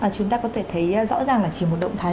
chúng ta có thể thấy rõ ràng là chỉ một động thái